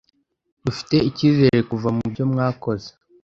dufite icyizere kuva mu byo mwakoze”